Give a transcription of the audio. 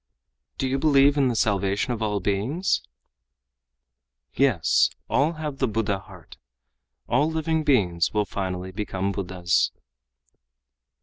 "Do you believe in the salvation of all beings?" "Yes, all have the Buddha heart. All living beings will finally become Buddhas."